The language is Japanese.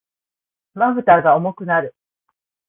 瞼が重くなる。